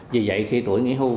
vì vậy khi tuổi nghỉ hưu